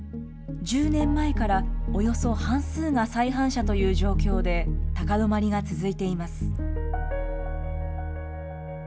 １０年前からおよそ半数が再犯者という状況で、高止まりが続いています。